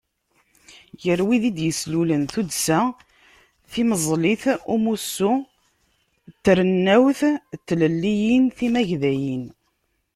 Gar wid i d-yeslulen Tuddsa Timeẓlit n Umussu i Trennawt n Tlelliyin Timagdayin.